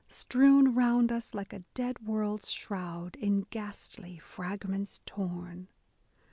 Strewn round us like a dead world's shroud, in ghastly fragments torn.